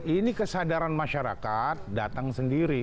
ini kesadaran masyarakat datang sendiri